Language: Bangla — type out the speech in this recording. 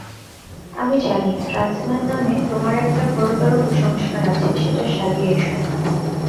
আমি জানি প্রাতঃস্নান নামে তোমার একটা ঘোরতর কুসংস্কার আছে, সেটা সারিয়া এসো।